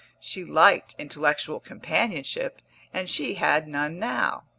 She liked intellectual companionship, and she had none now.